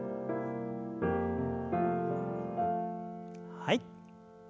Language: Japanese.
はい。